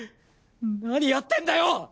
何やってんだよ！